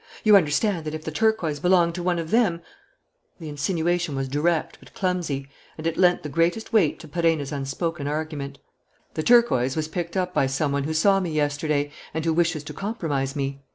You understand that, if the turquoise belonged to one of them " The insinuation was direct, but clumsy; and it lent the greatest weight to Perenna's unspoken argument: "The turquoise was picked up by some one who saw me yesterday and who wishes to compromise me.